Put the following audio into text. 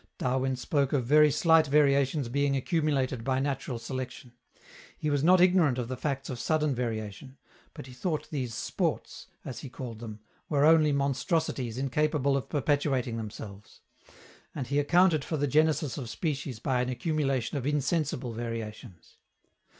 Darwin spoke of very slight variations being accumulated by natural selection. He was not ignorant of the facts of sudden variation; but he thought these "sports," as he called them, were only monstrosities incapable of perpetuating themselves; and he accounted for the genesis of species by an accumulation of insensible variations.